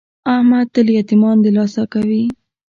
احمد تل یتمیان دلاسه کوي.